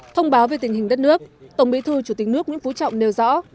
thông báo về tình hình đất nước tổng bí thư chủ tịch nước nguyễn phú trọng nêu rõ